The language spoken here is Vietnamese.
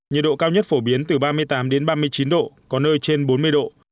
nhiệt độ cao nhất phổ biến từ ba mươi tám ba mươi chín độ có nơi trên bốn mươi độ